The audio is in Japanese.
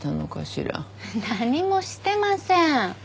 何もしてません。